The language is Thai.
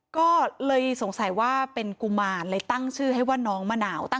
ก็เลยสงสัยว่าเป็นกุมารเลยตั้งชื่อให้ว่าน้องมะนาว